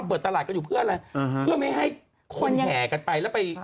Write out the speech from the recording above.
เปิดตลาดกันอยู่เพื่ออะไรเพื่อไม่ให้คนแห่กันไปแล้วไป